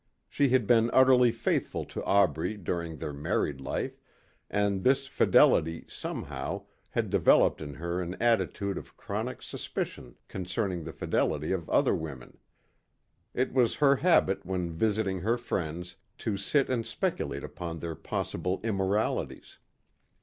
She had been utterly faithful to Aubrey during their married life and this fidelity, somehow, had developed in her an attitude of chronic suspicion concerning the fidelity of other women. It was her habit when visiting her friends to sit and speculate upon their possible immoralities.